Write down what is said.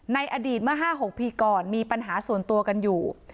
ในอดีตเมื่อ๕๖ปีก่อนมีปัญหาส่วนตัวกันอยู่